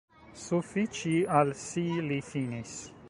Sufiĉi al si, li finis.